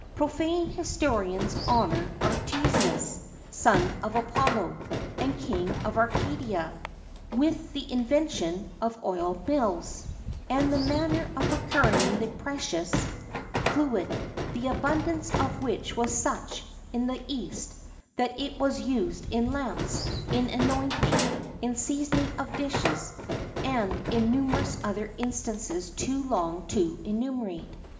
Profane historians honour Aristeus, son of Apollo, and King of Arcadia, with the invention of oil mills, and the manner of procuring the precious fluid,[XII 12] the abundance of which was such, in the East, that it was used in lamps,[XII 13] in anointing,[XII 14] in seasoning of dishes,[XII 15] and in numerous other instances too long to enumerate.